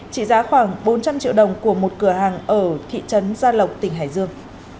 trị giá khoảng bốn trăm linh triệu đồng của một cửa hàng ở thị trấn gia lộc tỉnh hải dương